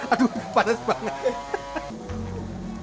aduh panas banget